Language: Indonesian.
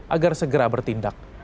agar segera bertindak